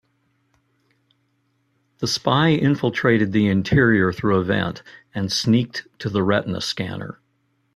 The spy infiltrated the interior through a vent and sneaked to the retina scanner.